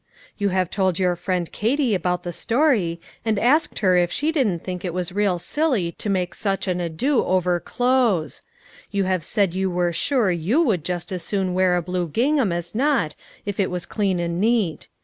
You .have told your friend Katie about the story and asked her if she didn't think it was real silly to make such an ado over clothes ; you have said you were sure you would just as soon wear a blue gingham as not if it was clean and neat.